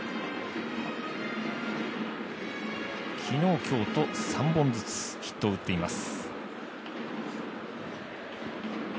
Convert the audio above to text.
昨日、今日と３本ずつヒットを打っています。